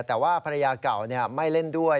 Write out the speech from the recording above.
แต่ว่าภรรยาเก่าไม่เล่นด้วย